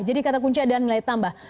jadi kata kunci adalah nilai tambah